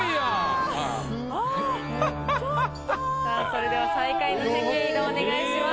それでは最下位の席へ移動お願いします。